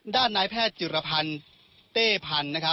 ด้านนายแพทย์จิรพันธ์เต้พันธุ์